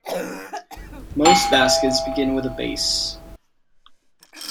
Most baskets begin with a base.